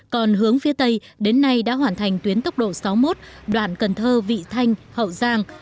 còn hướng phía tây đến nay đã hoàn thành tuyến tốc độ sáu mươi một đoạn cần thơ vị thanh hậu giang